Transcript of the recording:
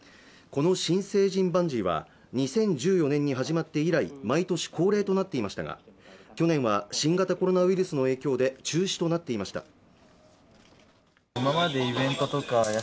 この新成人バンジーは２０１４年に始まって以来毎年恒例となっていましたが去年は新型コロナウイルスの影響で中止となっていました